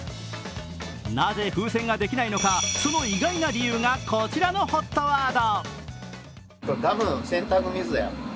なぜ風船ができないのか、その意外な理由がこちらのＨＯＴワード。